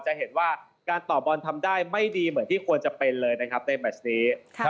จะเห็นว่าการต่อบอลทำได้ไม่ดีเหมือนที่ควรจะเป็นเลยนะครับในแมชนี้